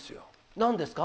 何ですか？